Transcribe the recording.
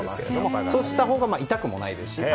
そうしたほうが痛くもないですし。